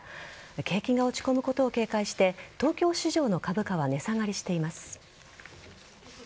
景気が落ち込むことを警戒して東京市場の株価は値下がりしています。